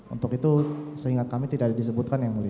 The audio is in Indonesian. untuk itu seingat kami tidak disebutkan yang mulia